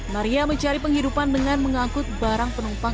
maria mencari penghidupan dengan mengangkut barang penumpang